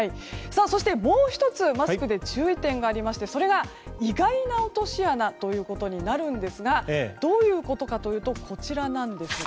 そしてもう１つマスクで注意点がありましてそれが、意外な落とし穴ということになるんですがどういうことかというとこちらです。